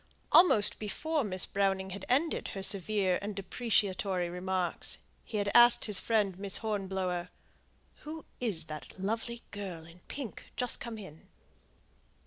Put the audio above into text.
Almost before Miss Browning had ended her severe and depreciatory remarks, he had asked his friend Miss Hornblower, "Who is that lovely girl in pink, just come in?"